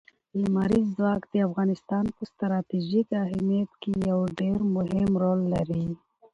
لمریز ځواک د افغانستان په ستراتیژیک اهمیت کې یو ډېر مهم رول لري.